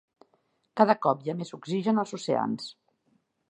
Cada cop hi ha més oxigen als oceans